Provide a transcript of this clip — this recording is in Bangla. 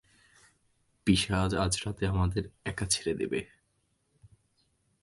পিশাচ আজ রাতে আমাদের একা ছেড়ে দেবে!